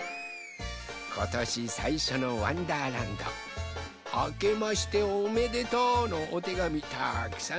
ことしさいしょの「わんだーらんど」あけましておめでとうのおてがみたくさんとどいたぞい。